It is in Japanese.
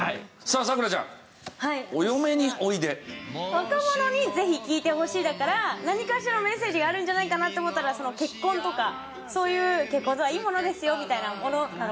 「『お嫁においで』」「若者にぜひ聴いてほしい」だから何かしらのメッセージがあるんじゃないかなって思ったら結婚とかそういう「結婚とはいいものですよ」みたいなものなのかなと思って。